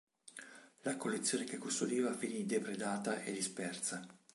La collezione che custodiva finì depredata e dispersa.